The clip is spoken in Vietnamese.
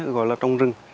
gọi là trồng rừng